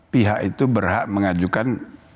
pihak itu berhak mengajukan